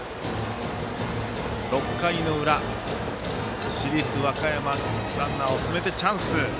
６回の裏、市立和歌山ランナーを進めて、チャンス。